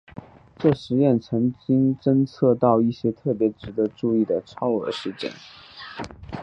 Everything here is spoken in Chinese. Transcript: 这实验曾经侦测到一些特别值得注意的超额事件。